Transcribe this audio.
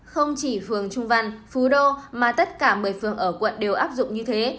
không chỉ phường trung văn phú đô mà tất cả một mươi phường ở quận đều áp dụng như thế